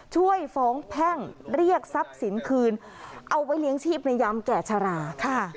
ช่วยฟ้องแพ่งเรียกทรัพย์สินคืนเอาไว้เลี้ยงชีพในยามแก่ชราค่ะ